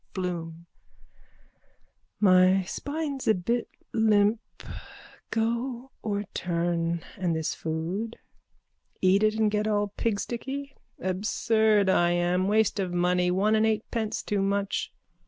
BLOOM: My spine's a bit limp. Go or turn? And this food? Eat it and get all pigsticky. Absurd I am. Waste of money. One and eightpence too much.